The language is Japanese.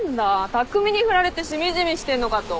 匠にフラれてしみじみしてんのかと。